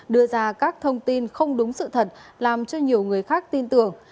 đưa ra các thông tin không đúng sự thật làm cho nhiều người khác tin tưởng